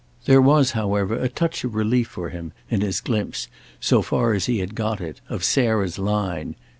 There was however a touch of relief for him in his glimpse, so far as he had got it, of Sarah's line.